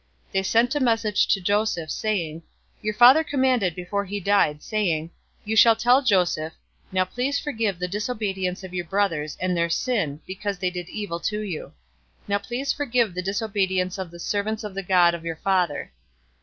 050:016 They sent a message to Joseph, saying, "Your father commanded before he died, saying, 050:017 'You shall tell Joseph, "Now please forgive the disobedience of your brothers, and their sin, because they did evil to you."' Now, please forgive the disobedience of the servants of the God of your father."